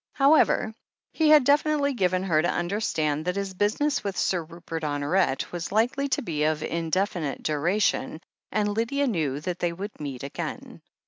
However, he had definitely given her to understand that his business with Sir Rupert Honoret was likely to be of indefinite duration, and Lydia knew that they would meet again.